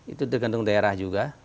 itu tergantung daerah juga